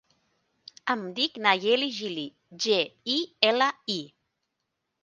Em dic Nayeli Gili: ge, i, ela, i.